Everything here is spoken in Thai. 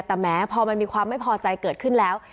แต่แม้พอมันมีความไม่พอใจเกิดขึ้นแล้ว